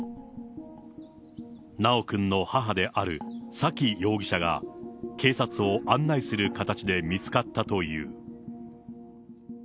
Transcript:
修くんの母である沙喜容疑者が警察を案内する形で見つかったという。